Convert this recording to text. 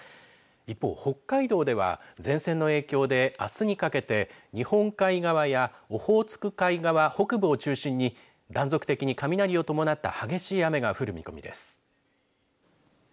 一方、北海道では前線の影響であすにかけて日本海側やオホーツク海側北部を中心に断続的に雷を伴った激しい雨が降る見込みです。